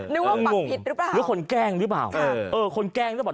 นึกว่าปักผิดรึเปล่าหรือคนแกล้งรึเปล่าเออคนแกล้งรึเปล่า